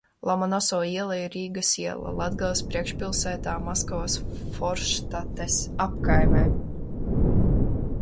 Lomonosova iela ir Rīgas iela, Latgales priekšpilsētā, Maskavas forštates apkaimē.